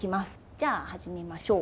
じゃあ始めましょう。